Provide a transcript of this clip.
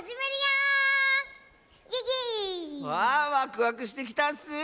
あワクワクしてきたッス！